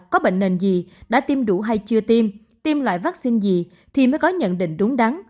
có bệnh nền gì đã tiêm đủ hay chưa tiêm tiêm loại vaccine gì thì mới có nhận định đúng đắn